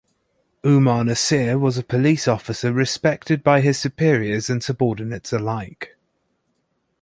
Umar Naseer was a Police officer respected by his superiors and subordinates alike.